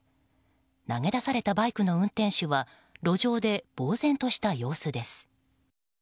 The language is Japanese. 投げ出されたバイクの運転手は路上で呆然とした様子です。